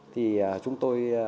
thì chúng tôi